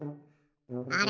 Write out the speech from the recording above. あれ？